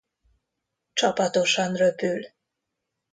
Csapatosan röpül.